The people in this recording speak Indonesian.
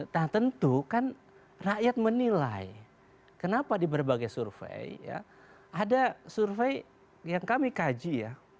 dan tentu kan rakyat menilai kenapa di berbagai survey ya ada survey yang kami kaji ya